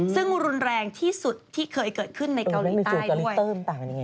ซึ่งรุนแรงที่สุดที่เคยเกิดขึ้นในเกาหลีใต้ด้วย